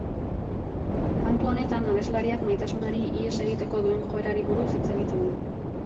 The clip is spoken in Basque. Kantu honetan, abeslariak maitasunari ihes egiteko duen joerari buruz hitz egiten du.